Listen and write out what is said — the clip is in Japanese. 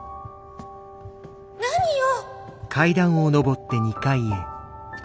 何よ。